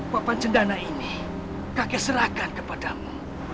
papan cendana ini kakek serahkan kepadamu